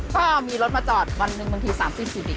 ไม่มีรถมาจอดวันหนึ่งบางทีปี๓๐กว่าปี